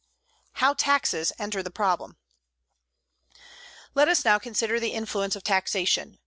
HOW TAXES ENTER THE PROBLEM Let us now consider the influence of taxation.